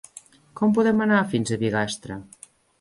Com podem anar fins a Bigastre?